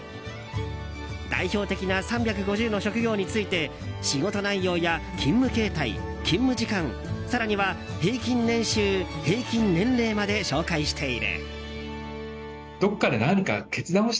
代表的な３５０の職業について仕事内容や勤務形態、勤務時間更には平均年収平均年齢まで紹介している。